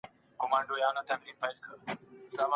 مثبت معلومات جذب کړئ او نورو ته یې ورسوئ.